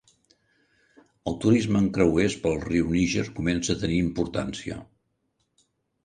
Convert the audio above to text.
El turisme amb creuers pel riu Níger comença a tenir importància.